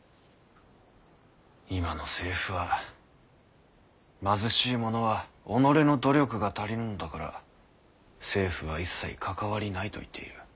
今の政府は貧しい者は己の努力が足りぬのだから政府は一切関わりないと言っている。